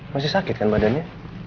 masih sakit kan badannya